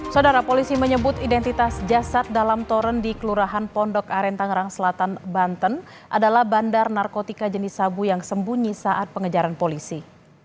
saudara polisi menyebut identitas jasad dalam toren di kelurahan pondok aren tangerang selatan banten adalah bandar narkotika jenis sabu yang sembunyi saat pengejaran polisi